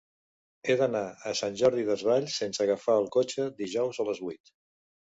He d'anar a Sant Jordi Desvalls sense agafar el cotxe dijous a les vuit.